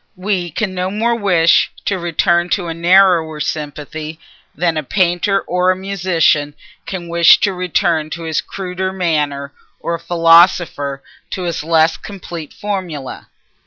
We can no more wish to return to a narrower sympathy than a painter or a musician can wish to return to his cruder manner, or a philosopher to his less complete formula.